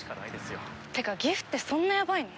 てかギフってそんなやばいの？